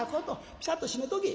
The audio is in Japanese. ピシャッと閉めとけ」。